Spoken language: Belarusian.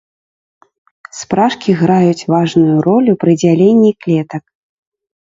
Спражкі граюць важную ролю пры дзяленні клетак.